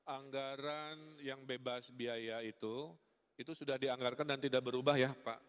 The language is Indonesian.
anggaran yang bebas biaya itu itu sudah dianggarkan dan tidak berubah ya pak